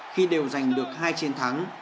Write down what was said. khi đều giành được hai chiến thắng